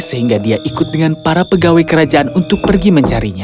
sehingga dia ikut dengan para pegawai kerajaan untuk pergi mencarinya